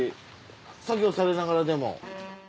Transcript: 作業されながらでも。